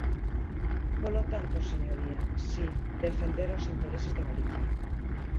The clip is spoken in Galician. Polo tanto, señoría, si, defender os intereses de Galicia.